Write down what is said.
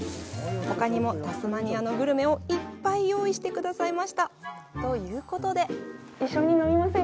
ほかにもタスマニアのグルメをいっぱい用意してくださいました！ということで。